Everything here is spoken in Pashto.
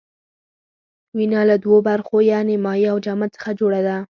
وینه له دوو برخو یعنې مایع او جامد څخه جوړه ده.